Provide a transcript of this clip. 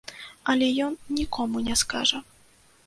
Але ён нікому не скажа.